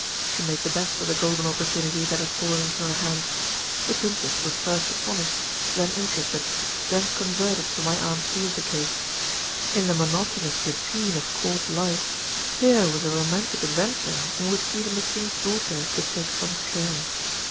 She made the best of the golden opportunity that had fallen into her hands. The Princess was first astonished, then interested, then converted to my aunt's view of the case. In the monotonous routine of Court life, here was a romantic adventure in which even the King's daughter could take some share.